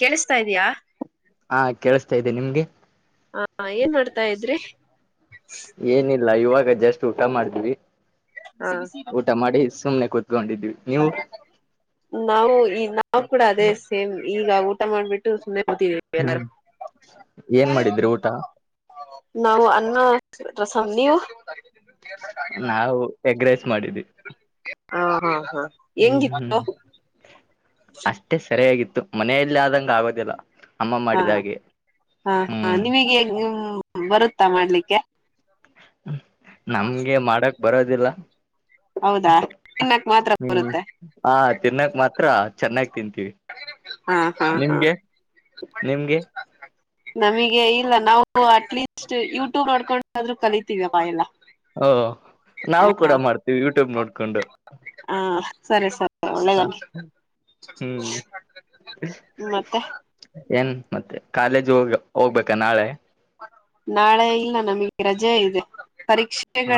ಕೇಳಿಸ್ತ ಇದ್ಯ. ಹಾ ಕೇಳಸ್ತಾ ಇದ್ದೆ ನಿಮ್ಗೆ. ಹಾ ಏನ್ ಮಾಡ್ತಾ ಇದ್ರಿ ಏನಿಲ್ಲ ಇವಾಗ ಜಸ್ಟ್ ಊಟ ಮಾಡಿದ್ವಿ ಹ ಊಟ ಮಾಡಿ ಸುಮ್ನೆ ಕೂತ್ ನಾವು ಈ ನಾವು ಕೂಡ ಅದೇ ಸೇಮ್ ಈಗ ಊಟ ಮಾಡ್ಬಿಟ್ಟು. ಸುಮ್ನೆ ಕೂತಿದೀವಿ ಹ್ಮ್ ಏನ್ ಮಾಡಿದ್ರಿ ಊಟ [unintelligible] ನಾವು ಅನ್ನ ರಸಂ ನೀವು ನಾವು ಎಗ್ರೆಸ್ ಮಾಡಿದವಿ. ಹಾ ಹಾ ಹಾ ಹೆಂಗಿತ್ತು. ಅಷ್ಟೇ ಸರಿಯಾಗಿತ್ತು ಮನೆಯಲ್ಲಿ ಆದಂಗಗೆ ಆಗೋದಿಲ್ಲ. ಅಮ್ಮ ಹಾ ಮಾಡಿದ ಹಾಗೆ ಹಾ ಹಾ ಹ್ಮ್ ನಿಮಗೆ ಬರುತ್ತಾ ಮಾಡ್ಲಿಕ್ಕೆ. ನಮ್ಗೆ ಮಾಡಕ್ ಬರೋದಿಲ್ಲ. ಹೌದಾ ತಿನ್ನಕ್ ಮಾತ್ರ ಹ್ಮ್ ಬರುತ್ತೆ ಹಾ ತಿನ್ನಕ್ ಮಾತ್ ಹತ್ರ ಚೆನ್ನಾಗಿ ತಿಂತೀವಿ ಹಾ ಹಾ ಹಾ ನಿಮ್ಗೆ ನಿಮ್ಗೆ. ನಮಗೆ ಇಲ್ಲ ನಾವು ಅಟ್ಲೀಸ್ಟ್ ಯೂಟ್ಯೂಬ್ ಮಾಡಕೊಂಡಾದ್ರು ಕಲಿತೀವಪ್ಪ ಎಲ್ಲ. ಹ ಓ ನಾವು ಕೂಡ ಮಾಡ್ತೀವಿ ಯೂಟ್ಯೂಬ್ ನೋಡ್ಕೊಂಡು. ಒಳ್ಳೆ ಹ್ಮ್ [unintelligible] ಮತ್ತೆ ಏನ್ ಮತ್ತೆ ಕಾಲೇಜ್ ಹೋಗ ಹೋಗ್ಬೇಕಾ ನಾಳೆ. ನಾಳೆ ಇಲ್ಲ ನಮಗೆ ರಜೆ ಇದೆ.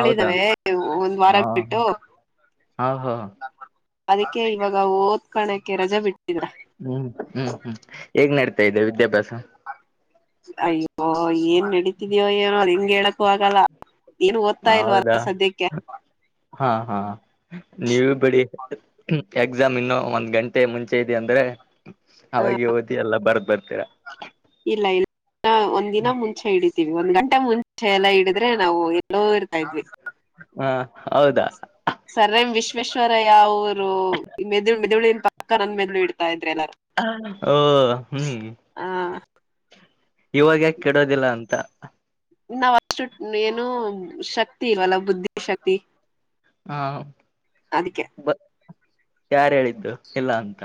ಹೌದಾ ಒಂದ್ ವಾರ ಹಾ ಬಿಟ್ಟು. ಹಾ ಹಾ ಅದಕ್ಕೆ ಇವಾಗ ಓದ್ಕಣಕ್ಕೆ ರಜೆ ಬಿಟ್ಟ ಹ್ಮ್ ಹ್ಮ್ ಹ್ಮ್ ಹೇಗ್ ನಡತಾ ಇದೆ ವಿದ್ಯಾಭ್ಯಾಸ. ಅಯ್ಯೋ ಏನ್ ನಡೀತಿದ್ಯೊ ಏನೋ ಹೆಿಂಗ್ ಹೇಳಕ್ಕು ಆಗಲ್ಲ. ಏನು ಓದ್ತಾ ಹೌದಾ ಇಲ್ವಲ್ಲ ಸದ್ಯಕ್ಕೆ ಹಾ ಹಾ ನೀವು ಬಿಡಿ. ಎಕ್ಸಾಮ್ ಇನ್ನು ಒಂದ್ ಗಂಟೆ ಮುಂಚೆ ಇದೆಯ ಅಂದ್ರೆ. ಹ ಅವಾಗಿ ಓದಿ ಎಲ್ಲ ಬರ್ದ್ ಬರ್ತೀರ. ಹ ಒಂದ ದಿನ ಮುಂಚೆ ಹಿಡಿತೀವಿ ಒಂದ್ ಗಂಟೆ ಮುಂಚೆ ಎಲ್ಲಾ ಹಿಡಿದ್ರೆ ನಾವು ಎಲ್ಲೋ ಇರ್ತಾ ಇದ್ವಿ. ಹಾ ಹೌದಾ ಸರ್ ಎಂ ವಿಶ್ವೇಶ್ವರಯ್ಯ ಅವರು ಮೆದುಳಿನ ಮೆದುಳನ್ ಪಕ್ಕ ನನ್ನ ಮೆದಲು ಇಡ್ತಾ ಇದ್ ಓ ಹ ಇವಾಗ್ಯಾಕ ಕೆಡೋದಿಲ್ಲ ಅಂತ. ನಾವ್ ಅಷ್ಟು ಏನು ಶಕ್ತಿ ಇಲ್ವಲ್ಲ ಬುದ್ಧಿ ಶಕ್ತಿ. ಹಾ ಅದಕ್ಕೆ ಯಾರ ಹೇಳಿದ್ದು ಇಲ್ಲ ಅಂತ.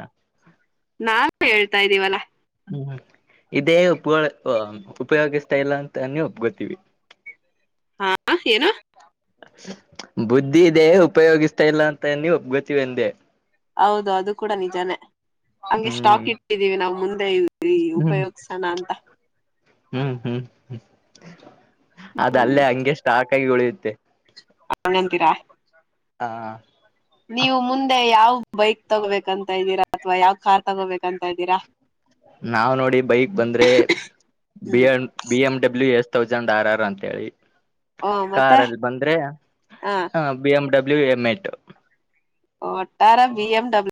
ನಾವು ಹೇಳ್ತಾ ಇದ್ದೀವಲ್ಲಾ. ಹ್ಮ್ ಇದೇ ಉಪ ಉಪಯೋಗಿಸ್ತಾ ಇಲ್ಲ ಅಂತ ನೀ ಒಪ್ ಗೊತೀವಿ. ಹಾ ಏನು ಬುದ್ಧಿ ಇದೆ ಉಪಯೋಗಿಸ್ತಾ ಇಲ್ಲ ಅಂತ ನೀವು ಒಪ್ಕೊಂತಿರ್ ಎಂದೆ ಹೌದು ಅದು ಕೂಡ ನಿಜಾನೇ ಹಂಗೆ ಹ್ಮ್ ಸ್ಟಾಕ್ ಇಟ್ಟಿದ್ದೀವಿ ನಾವ್ ಮುಂದೆ ಹ್ಮ್ ಉಪಯೋಗಸಣ ಅಂತ. ಹ್ಮ್ ಹ್ಮ್ ಅದ ಅಲ್ಲೇ ಹಂಗೆ ಸ್ಟಾಕ್ ಆಗಿ ಉಳಿಯುತ್ತೆ. ಅವಣಂತೀರಾ ಹಾ ನೀವು ಮುಂದೆ ಯಾವ್ ಬೈಕ್ ತಗೋಬೇಕಂತ ಇದ್ದೀರಾ ಅಥವಾ ಯಾವ್ ಕಾರ್ ತಗೋಬೇಕಂತ ಇದ್ದೀರಾ. ನಾವ್ ನೋಡಿ ಬೈಕ್ ಬಂದ್ರೆ ಬಿ ಹ್ಮ್ M B M W S ತವ್ ಆರಾರ್ ಅಂತೇಳಿ ಓ ಮತ್ತೆ ಕಾರಲ್ಲಿ ಬಂದ್ರೆ ಹ B M dub W M ಎಟ್ ಒಟ್ಟಾರ ಬಿ ಎಂ ಡಬ್ಲ್ಯ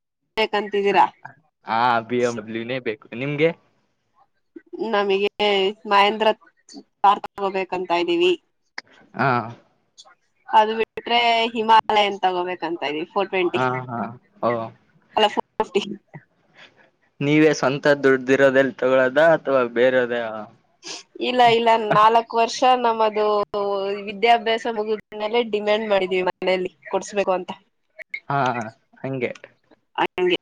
ಹಾಬಿ ಎಂ ಡಬ್ಲ್ಯನೇ ಬೇಕು ನಿಮ್ಗೆ ನಮಗೆ ಮಹೇಂದ್ರ ತಾರ್ ತಗೋಬೇಕಂತ ಇದ್ದೀವಿ ಹಾ ಅದು ಬಿಟ್ರೆ ಹಿಮಾಲಯನ್ ತಗೋಬೇಕಂತ ಇದವಿ ಹಾ ಹಾ ಓ ಅಲ್ಲ ಫೋರ್ ಫಿಫ್ಟಿ ನೀವೇ ಸ್ವಂತ ದುಡ್ದಿರೋದೆಲ್ಲಿ ತೊಗೊಲೊದ ಅಥವಾ ಬೇರೋದೇ ಇಲ್ಲ ಇಲ್ಲ ನಾಲ್ಕ್ ವರ್ಷ ಷ ನಮ್ಮದು ವಿದ್ಯಾಭ್ಯಾಸ ಮುಗಿದ ಮೇಲೆ ಡಿಮ್ಯಾಂಡ್ ಮಾಡಿದ್ವಿ ಮನೆಯಲ್ಲಿ ಕೊಡ್ಸ್ಬೇಕು ಅಂತ ಹಾ ಹಂಗೆ ಹಂಗೆ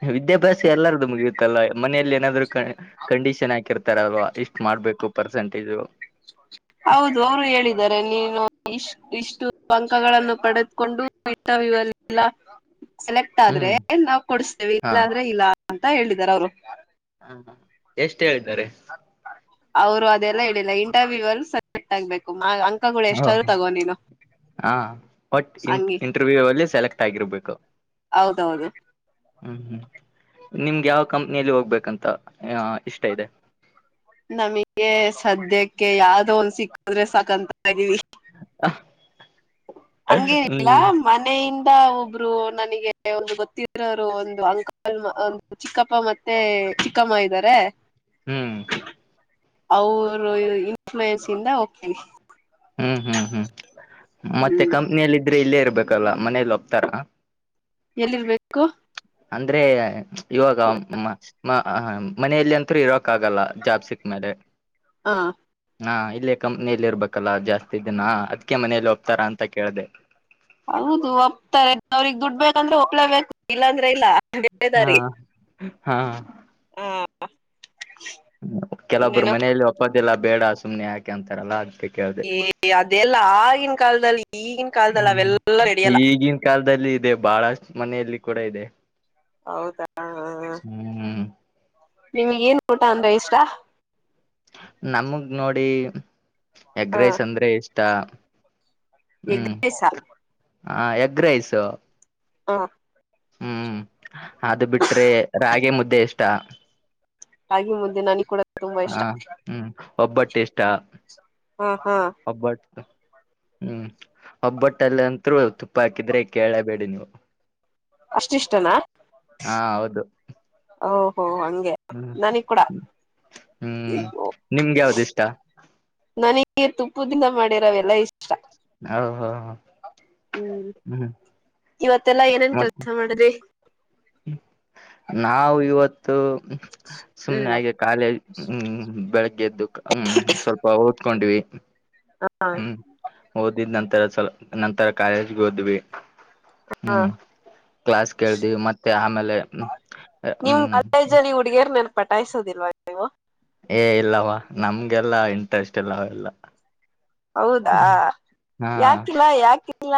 ಹ್ಮ್ ವಿದ್ಯಾಭ್ಯಾಸ ಎಲ್ಲಾರ್ದು ಮುಗಿಯುತ್ತಲ್ಲ ಮನೆಯಲ್ಲಿ ಏನಾದ್ರು ಕಣ್ ಕಂಡೀಷನ್ ಹಾಕಿರ್ತಾರಲ್ವಾ ಇಷ್ಟ್ ಮಾಡ್ಬೇಕು ಪರ್ಸಂಟೇಜು ಹೌದು ಅವರು ಹೇಳಿದ್ದಾರೆ ನೀನು ಇಷ್ಟ ಇಷ್ಟು ಅಂಕಗಳನ್ನು ಪಡೆದುಕೊಂಡು [unintelligible] ಸೆಲೆಕ್ಟ್ ಆದ್ರೆ ಹ್ಮ್ ನಾವ್ ಕೊಡಸ್ಟೀವಿ ಹಾ ಇಲ್ಲಾದ್ರೆ ಇಲ್ಲ ಅಂತ ಹೇಳಿದಿದ್ದಾರೆ ಅವರು ಹ ಎಷ್ಟು ಹೇಳಿದಾರೆ? ಅವರು ಅದೆಲ್ಲಾ ಹೇಳಿಲ್ಲ ಇಂಟರ್ವ್ಯೂ ಅಲ್ಲಿ ಸೆಲೆಕ್ಟ್ ಆಗ್ಬೇಕು ಅಂಕಗಳು ಎಷ್ಟಾದ್ರು ತಗೋ ನೀನು ಹಾ ವಟ್ ಹಂಗಿ ಇಂಟರ್ವ್ಯೂ ಅಲ್ಲಿ ಸೆಲೆಕ್ಟ್ ಆಗಿರ್ಬೇಕು ಹೌದೌದು ಹ್ಮ್ ಹ್ಮ್ ನಿಮ್ಗೆ ಯಾವ ಕಂಪ್ನಿಯಲ್ಲಿ ಹೋಗ್ಬೇಕಂತ ಇಷ್ಟ ಇದೆ ನಮಗೆ ಸದ್ಯಕ್ಕೆ ಯಾವ್ದ ಒಂದು ಸಿಕ್ಕದ್ರೆ ಸಾಕಂತ ಇದೀವಿ ಹಂಗೆನೀಲ್ಲ ಹ್ಮ್ ಮನೆ ಇಂ ದ ಒಬ್ರು ನನಗೆ ಒಬ್ರು ಗೊತ್ತಿದರೋರು ಒಂದು ಅಂಕಲ್ ಒಂದು ಚಿಕ್ಕಪ್ಪ ಮತ್ತೆ ಚಿಕ್ಕಮ್ಮ ಇದ್ದಾರೆ ಹ್ಮ್ ಅವರು ಇನ್ಫ್ಲೂಯೆನ್ಸ್ ಇಂದ ಹೋಗ್ತನೀ ಹ್ಮ್ ಹ್ಮ್ ಹ್ಮ್ ಮತ್ತೆ ಹ್ಮ್ ಕಂಪ್ನಿಯಲ್ಲಿ ಇದ ರೆ ಇಲ್ಲೇ ಇರ್ಬೇಕಲ್ವಾ ಮನೇಲಿ ಒಪ್ತಾರಾ ಎಲ್ಲಿ ಇರ್ಬೇಕು ಅಂದ್ರೆ ಇವಾಗ ಮ ಮನೆಯಲ್ಲಿ ಅಂತರುೂ ಇರಕ್ ಆಗಲ್ಲ ಜಾಬ್ ಸಿಕ್ ಮೇಲೆ ಲೆ ಹಾ ಹಾ ಇಲ್ಲೇ ಕಂಪ್ನಿಯಲ್ಲಿ ಇರ್ಬೇಕಲ್ಲ ಜಾಸ್ತಿ ದಿನಾ ಅದ್ಕ ಮನೇಲಿ ಒಪ್ತರ ಅಂತ ಕೇಳ್ದ ಹೌದು ಒಪ್ತಾರೆ ಅವ್ರಗ್ ದುಡ್ಬಕಂದ್ರೆ ಒಪ್ಲೇಬೇಕ ಇಲ್ಲಾಂದ್ರೆ ಇಲ್ಲ ಹಾ ಬೇರೆದಾರಿ ಹಾ ಹಾ ಕೆಲವೊಬ್ರು ಇನ್ನೇನು ಮನೆಯಲ್ಲಿ ಒಪ್ಪೋದಿಲ್ ಬೇಡ ಸುಮ್ನೆ ಯಾಕೆ ಅಂತಾರಲ್ಲ ಅದಕೆ ಏ ಅದೆಲ್ಲ ಆಗಿನ ಕಾಲದಲ್ಲಿ ಈಗಿನ ಕಾಲದಲ್ಲಿ ಹ್ಮ್ ಅವೆಲ್ಲಾ ನಡಿಯಲ್ಲ ಈಗಿನ ಕಾಲದಲ್ಲಿ ಇದೆ ಬಹಳಷ್ಟ ಮನೆಯಲ್ಲಿ ಕೂಡ ಇದೆ ಹೌದಾ ಹ್ಮ್ ನಿಮಗ್ ಏನ್ ಊಟ ಅಂದ್ರೆ ಇಷ್ಟ ನಮಗ್ ನೋಡಿ ಹ ಎಗ್ರೈಸ್ ಅಂದ್ರೆ ಇಷ್ಟ ಎಗ್ ಹ್ಮ್ ರೈಸ್ ಹಾ ಎಗ್ರೈಸು ಹಾ ಹ್ಮ್ ಅದು ಬಿಟ್ರೆ ರಾಗ ಮುದ್ದೆ ಈಷ್ಟ ರಾಗಿಮುದೆ ನನಗ್ ಕೂಡ ತುಂಬಾ ಹಾ ಇಷ್ಟ ಹ್ಮ್ ಒಬ್ಬಟ್ಟು ಇಷ್ಟ ಹಾ ಹಾ ಒಬ್ಬಟ್ಟು ಹ್ಮ್ ಒಬ್ಬೊಟ್ಟಲ್ಲಂತರು ತುಪ್ಪ ಹಾಕಿದ್ರೆ ಕೇಳಬೇಡಿ ನೀವು ಅಷ್ಟಿಷ್ಟನಾ ಹಾ ಹೌದು ಓ ಹ್ಮ್ ಹ್ಮ್ ನಿಮ್ಗ್ ಯಾವ್ದ್ ಇಷ್ಟ? ನನಿಗೆ ತುಪ್ಪುದಿಂದ ಮಾಡಿರವೆೆಲ್ಲ ಇಷ್ಟ. ಹೌ ಹೋ ಹ್ಮ್ ಇವತ್ತೆಲ್ಲಾ ಏನೇನ್ ಮತ್ ಕೆಲ್ಸ ಮಾಡುದ್ರಿ? ನಾವು ಇವತ್ತು ಸುಮ್ನೆ ಹ್ಮ್ ಹಾಗೆ ಕಾಲೇಜ್ ಹ್ಮ್ ಬೆಳಿಗ್ಗೆ ಎದ್ದು ಹ್ಮ್ ಸ್ವಲ್ಪ ಓದ್ಕೊಂಡ್ವಿ. ಹ ಹ್ಮ್ ಓದಿದ್ ನಂತರ ಸಲ ನಂತರ ಕಾಲೇಜ್ಗ್ ಹೋದ್ವಿ. ಹ ಹ್ಮ್ ಕ್ಲಾಸ್ ಕೇಳ್ ದ್ವಿ ಮತ್ ತ್ಯಾಮೇಲೆ ಹ್ಮ್ ಅ ಹ್ಮ್ ತಿರ್ ನನ್ ಪಟಾಯಸೋದಿಲ್ವಾ ನೀವು? ಏ ಇಲ್ಲವಾ ನಮ್ಗೆಲ್ಲಾ ಇಂಟ್ರೆಸ್ಟ್ ಇಲ್ಲ ಅವೆಲ್ಲಾ. ಹೌದಾ ಯಾಕಿಲ್ಲ ಯಾಕಿಲ್ಲ?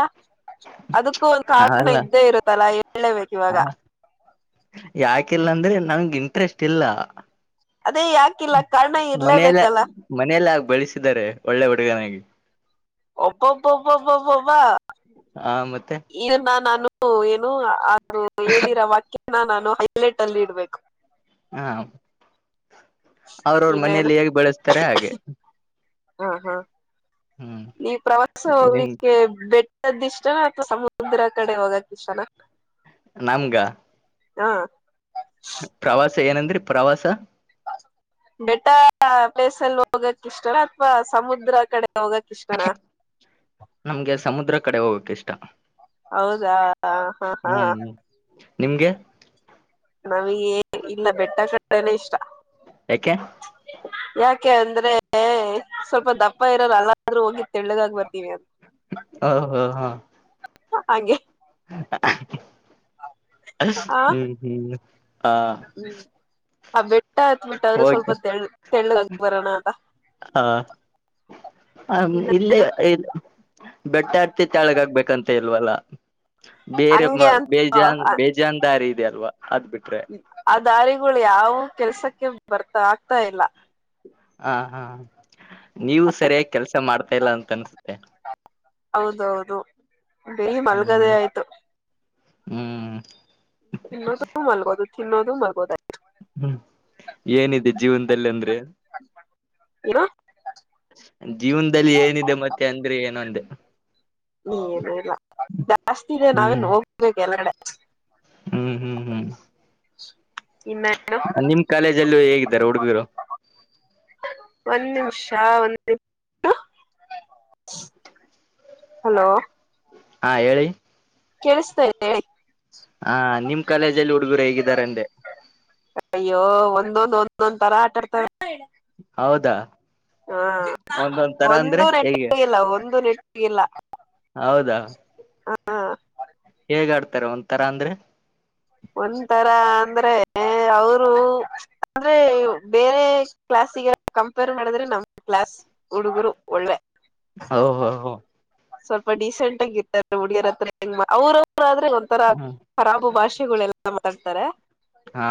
ಅದಕ್ಕೂ ಒಂದ್ ಕಾರಣ ಅಲ್ಲ ಇದ್ದೇ ಇರುತ್ತಲ್ಲ ಹೇಳ್ಳೆ ಬೇಕ್ ಇವಾಗ. ಯಾಕಿಲ್ಲಾಂದ್ರೆ ನನ್ಗ್ ಇಂಟ್ರೆಸ್ಟ್ ಇಲ್ಲ. ಅದೇ ಯಾಕಿಲ್ಲ ಕಾರಣ ಮನೆದೆ ಇರ್ಲೇಬೇಕಲ್ಲ ಮನೆಲೆ ಹಾಗ್ ಬೆಳ್ಸಿದಾರೆ ಒಳ್ಳೆ ಹುಡುಗನಾಗಿ. ಅಬ್ಬೊಬ್ಬಬ್ಬಬ್ಬಬ್ಬಬ್ಬ ಆ ಮತ್ತೆ ಇದುನ್ನ ನಾನು ನು ಏನು ಅ ಹೇಳಿರೋ ವಾಕ್ಯನ ನಾನು ಹೈಲೈಟಲ್ ಇಡ್ಬೇಕು. ಹಾಂ ಅವ್ರೌರ್ ಇನ್ನೇನು ಮನೇೆಲಿ ಹೇಗ್ ಬೆಳುಸ್ತಾರೆ ಹಾಗೆ. ಹಾಂ ಹಾಂ ಹ್ಮ್ ನೀವ್ ಪ್ರವಾಸ ನಿಮ್ ಹೋಗ್ಲಿಕ್ಕೆ ಬೆಟ್ ಅದ್ ಇಷ್ಟನ ಅಥವಾ ಸಮುದ್ರದ್ ಕಡೆ ಹೋಗಕ್ ಇಷ್ಟನ? ನನ್ಗ? ಹಾಂ ಸರ್ ಏನಂದ್ರಿ ಪ್ರವಾಸ ಬೆಟ್ಟ ಪ್ಲೇಸಲ್ ಹೋಗಕ್ ಇಷ್ಟನ ಅಥ್ವಾ ಸಮುದ್ರ ಕಡೆ ಹೋಗಕ್ ಇಷ್ಟನಾ ನಮ್ಗೆ ಸಮುದ್ರ ಕಡೆ ಹೋಗಕ್ ಇಷ್ಟ. ಹೌದಾ ಹಾಂ ಹಾಂ ಹ್ಮ್ ನಿಮ್ಗೆ? ನಮಿಗ್ ಏನ್ ಇಲ್ಲ ಬೆಟ್ಟ [unintelligible] ಇಷ್ಟ. ಯಾಕೆ? ಯಾಕೆ ಅಂದ್ರೆ ಸ್ವಲ್ಪ ದಪ್ಪ ಇರೋರ್ ಅವಾಗ್ಲಾದ್ರು ಹೋಗಿ ತೆಳ್ಳುಗಾಗ್ ಬರ್ತೀವಿ ಅ ಓ ಓ ಹಾಂ ಹ ಹಂಗೆ [unintelligible] ಅನ್ಸ್ ಆ ಹ್ಮ್ ಹ್ಮ್ ಹಾಂ ಆ ಬೆಟ್ಟ ಹತ್ಬಿಟ್ಟಾದ್ರು ಸ್ವಲ್ಪ ತೆಳ್ ತೆಳ್ಳುಗಾಗ್ ಬರಣ ಅಲ್ಲಾ? ಆಂ ಇಲ್ಲೇ ಇ ಬೆಟ್ಟ ಹತ್ತಿ ತೆಳ್ಳುಗ್ ಆಗ್ಬೇಕಂತ ಇಲ್ವಲ್ಲ. ಬೇರೆ ಮ ಹಂಗೆ ಅಂತ ಬೇಜಾನ್ ಬೇಜಾನ್ ದಾರಿ ಇದ್ಯಲ್ವಾ ಅದ್ ಬಿಟ್ರೆ. ಹೌ ಕೆಲ್ಸಕ್ಕೆ ಬರ್ತಾ ಆಗ್ತಾ ಇಲ್ಲ. ಹಾಂ ಹಾಂ ನೀವು ಸರ್ಯಾಗ್ ಕೆಲ್ಸ ಮಾಡ್ತಾ ಇಲ್ಲ ಅಂತನ್ಸುತ್ತೆ. ಹೌದೌದು ಎಲ್ಲಿ ಮಲ್ಗದೆೆ ಹ್ಮ್ ಆಯ್ತು. ಹ್ಮ್ ಇನ್ನೊಂದ್ ಸಲ್ಪ ಮಲಗೋದು ತಿನ್ನೋದು ಮಲ್ಗೋದೆ ಆಯ್ತು. ಹ್ಮ್ ಏನಿದೆ ಜೀವುಂದಲ್ಲಂದ್ರೆ ಇವ ಜೀವುಂದಲ್ಲೇನಿದೆ ಮತ್ತೆ ಅಂದ್ರೆ ಏನೊಂದೆ ಹ್ಮ್ ಏನು ಇಲ್ಲ ಜಾಸ್ತಿ ಇದೆ ನಾವೇನ್ ಹ್ಮ್ ಹೋಗ್ಬೇಕ್ ಎಲ್ಲ ಕಡೆ ಹ್ಮ್ ಹ್ಮ್ ಹ್ಮ್ ಇನ್ನೇನು ನಿಮ್ ಕಾಲೇಜಲ್ಲೂ ಹೇಗಿದ್ದಾರೆ ಹುಡ್ಗೂರು? ಷಾ [inaudible] ಹಲೋ. ಹಾ ಹೇಳಿ. ಕೇೇಳಸ್ತದೆ ಹೇಳಿ. ಹಾ ನಿಮ್ ಕಾಲೇಜಲ್ಲಿ ಹುಡುಗರು ಹೇಗೆ ಇದಾರೆ ಅಂದೆ. ಒಂದೊಂದು ತರ ಆಟ ಅಡ್ತಾವೇ. ಹೌದಾ ಹ ಒಂದೊಂದ್ ತರ ಒಂದು ಅಂದ್ರೆ ಹೇಗೆ ನೆಟ್ಟ ಇಲ್ಲ ಒಂದು ನೆಟ್ಟ. ಇಲ್ಲ. ಹೌದಾ. ಹಾ. ಹೇಗ ಆಡ್ತಾರೆ ಒಂದ್ ತರ ಅಂದ್ರೆ. ಒಂಥರ ಅಂದ್ರೆ. ಅವರು ಅಂದ್ರೆ ಬೇರೆ ಕ್ಲಸ್ಗ ಕಂಪೇರ್ ಮಾಡಿದ್ರೆ ನಮ ಕ್ಲಾಸ್. ಹುಡುಗರು ಒಳ್ಳೆ. ಓ ಹೌ. ಸ್ವಲ್ಪ ಡೀಸೆಂಟ್ ಆಗಿ ಇರ್ತಾರೆ ಹುಡ್ಗಿಯರ ಹತ್ರ ಹೆಂಗ ಅವ್ರವರುರೆ ಅಂದ್ರೆ ಒಂಥರಾ ಹ್ಮ ರಾಬು ಭಾಷೆ. ಗಳೇಲ್ಲ ಮಾತಾಡ್ತಾರೆ. ಹಾ.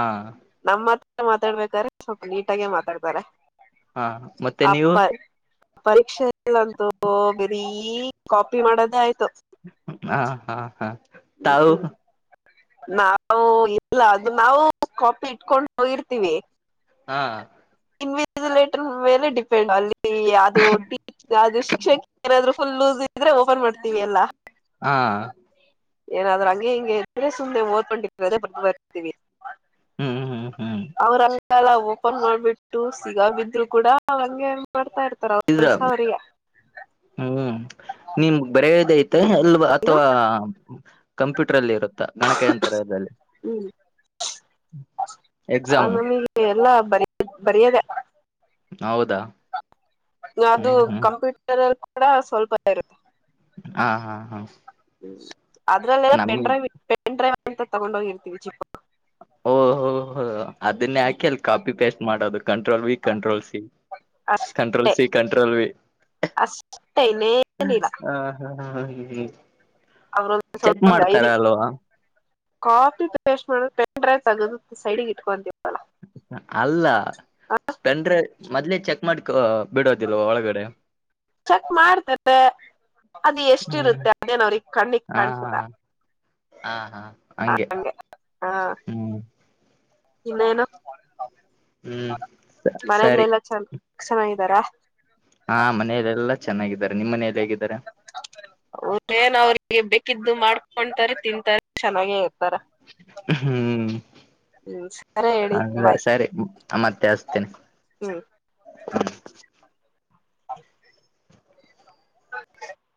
ಮಾತಾಡ್ಬೇಕ್ರ ಸ್ವಲ್ಪ ನೀಟಾಗೇ ಮಾತಾಡ್ತಾರೆ. ಹಾ ಮತ್ತೆ ನೀವು. ಪರೀಕ್ಷೆಲ್ಲಂತೂ ಬರೀ ಕಾಪಿ ಮಾಡೋದೇ ಆಯ್ತು. ಹಾ ಹಾ ಹಾ ತಾವು. ಹ್ಮ್ ನಾವು ಇಲ್ಲ ಅದು ನಾವು ಕಾಪಿ ಇಟ್ಕೊಂಡು ಹೋಗಿರ್ತೀವಿ. ಹಾ. ಇನ್ವೆಸಿಲೇಟರ್ ಮೇಲೆ ಡಿಪೆಂಡ್ ಅಲ್ಲಿ ಅದು ಅದು ಶಿಕ್ಷಣಕ್ಕೆ ಏನಾದೂ. ಫುಲ್ ಲೂಸ್ ಇದ್ರೆ ಓಪನ್ ಮಾಡ್ತೀವಿ ಎಲ್ಲಾ. ಹಾ. ಏನಾದ್ರರು ಹಂಗೆ ಹಿಂಗೆ ಇದ್ರೆ ಸುಮ್ನೆ ಓದ್ಕೊಂಡಿಟ್ಟ್ರ ಅದೇ ಬರ್ದ ಬರ್ತೀವಿ. ಹ್ಮ್ ಹ್ಮ್ ಹ್ಮ್ ಅವ್ರ ಆಂಗಲ್ಲ. ಒಪೇನ್ ಮಾಡ್ಬಿಟ್ಟು ಸಿಗ ಬಿದ್ರು ಕೂಡ ಹಂಗೆ. ಮಾಡಡ್ತಾ ಇರ್ತಾರ ಅವ್ರ ಇದ್ರ ಕೆಲ್ಸ ಅವ್ರಿಗೆ. ಹ್ಮ್ ನಿಮ್ ಬರೆಯೋದ ಐತೆ ಅಲ್ವಾ ಏನು ಅಥವಾ. ಕಂಪ್ಯೂಟರ್ ಅಲ್ಲಿ ಇರುತ್ತಾ ಗಣಕಯಂತ್ರದಲ್ಲಿ. ಅ ಎಕ್ಸಾಮು ನಮಗೆ ಎಲ್ಲ. ಇಟ್ ಬರಿಯದೆ. ಹೌದು. ಅದು ಕಂಪ್ಯೂಟರ್ಲ್ಲಿ ಕೂಡ ಸ್ವಲ್ಪ ಇರುತ್ತೆ. ಹಾ ಹಾ ಹಾ. ಅದ್ರಲ್ಲೆಲ್ಲ ನಮ್ ಪೆನ್ ಡ್ರೈವ್ ಪೆನ್ ಡ್ರೈವ್ ಅಂತ ತಗೊಂಡ ಹೋಗಿರ್ತೀವಿ ಚಿಕ್ಕ. ಓಹ ಹೋ ಅದನ್ನೇ ಹಾಕಿ ಅಲ್ಲಿ ಕಾಪಿ ಪೇಸ್ಟ್ ಮಾಡ. Control V control C control ಅಷ್ಟೇ ಸಿ ಕಂಟ್ರೋಲ್ ವಿ. ಅಷ್ಟೇ ಇನ್ನೇನಿಲ್ಲ ಹಾ ಹಾ ಹಾ ಹ. ಚೆಕ್ ಮಾಡ್ತಾರ ಅಲ್ವಾ. ಕಾಫಿ ಪೇಸ್ಟ್ ಮಾಡ ಪೆನ್ ಡ್ರೈವ್ ತಗೋದು ಸೈಡಿಗೆ ಇಟ್ಕೊಂತೀವಿ. ಅಲ್ಲ ಪೆನ್ ಡ್ರೈವ್ ಮೊದ್ಲೇ ಚೆಕ್ ಮಾಡ್ಕೊ. ಬಿಡೋದಿಲ್ವಾ ಒಳಗಡೆ. ಚೆಕ್ ಮಾಡ್ತತೆ. ಅದ ಹ್ಮ್ ಎಷ್ಟಿರುತ್ತೆ ಅದೇನ್ ಅವ್ರಿಗ್ ಕಣ್ಣಿಕ್ ಹಾ ಕಾಣ್ಸುದ. ಹಾ ಹಾ. ಹಂಗೆ ಹಂಗೇ ಹಾ ಹ್ಮ್ ಇನ್ನೇನು. ಹ್ಮ್ ಸರಿ ಮನೇಲ್ಲೆಲ್ಲಾ ಚ ಚೆನ್ನಾಗಿದ್ದಾರಾ. ಹಾ ಮನೆ ಎಲ್ಲೆಲ್ಲಾ ಚ್ ಓಕೆ ಅವ್ರಿಗೆ ಬೇಕಿದ್ದು ಮಾಡ್ಕೊತಾರೆ ತಿಂತಾರೆ. ಚೆನ್ನಾಗೇ ಇರ್ತಾರ ಹ್ಮ್ ಹ್ಮ್ ಸರಿ ಹೇಳಿ ಅದೆ ಬಾಯ್ ಸರಿ ಅಮ್ಮ ತೆಳಸ್ತೀನಿ ಹ್ಮ್ ಹ್ಮ ಹ [unintelligible] [unintelligible]